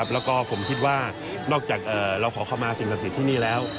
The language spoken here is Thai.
แล้วก็ผมคิดว่านอกจากเราขอเข้ามาสิ่งศักดิ์สิทธิ์ที่นี่แล้ว